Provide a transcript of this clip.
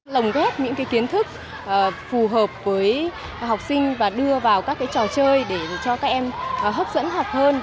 lồng ghép những kiến thức phù hợp với học sinh và đưa vào các trò chơi để cho các em hấp dẫn học hơn